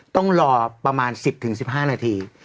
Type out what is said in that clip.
ต้องรอประมาณ๑๐๑๕นาที